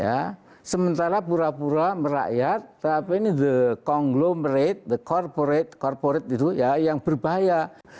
ya sementara pura pura merakyat tapi ini the conglomerate the corporate corporate itu ya yang berbahaya